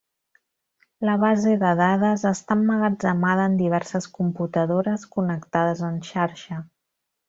La base de dades està emmagatzemada en diverses computadores connectades en xarxa.